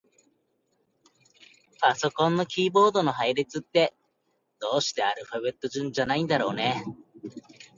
パソコンのキーボードの配列って、どうしてアルファベット順じゃないんだろうね。